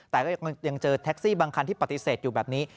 แต่ก็ยังเจอแท็กซี่บางคันที่ปฏิเสธอยู่แบบนี้